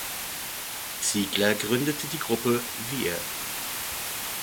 Ziegler gründete die Gruppe "Wir".